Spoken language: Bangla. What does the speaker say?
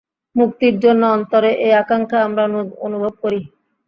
মুক্তির জন্য অন্তরে এই আকাঙ্ক্ষা আমরা অনুভব করি।